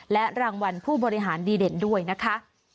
และรางวัลผู้บริหารดีเด่นด้วยนะคะ